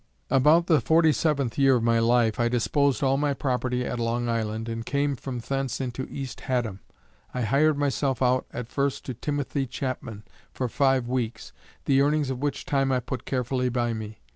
About the forty seventh year of my life, I disposed all my property at Long Island, and came from thence into East Haddam. I hired myself out at first to Timothy Chapman, for five weeks, the earnings of which time I put carefully by me.